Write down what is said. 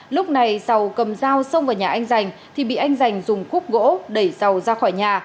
lúc này giàu cầm dao xông vào nhà anh giành thì bị anh giành dùng khúc gỗ đẩy giàu ra khỏi nhà